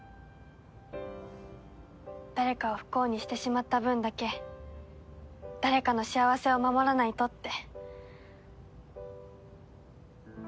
誰かを不幸にしてしまった分だけ誰かの幸せを守らないとって。